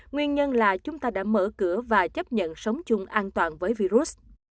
nguyên nhân là chúng ta đã mở cửa và chấp nhận sống chung an toàn với virus